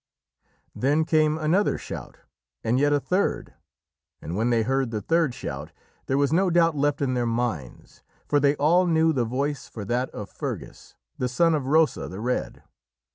Then came another shout, and yet a third. And when they heard the third shout, there was no doubt left in their minds, for they all knew the voice for that of Fergus, the son of Rossa the Red.